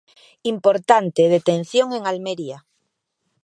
Importante detención en Almería.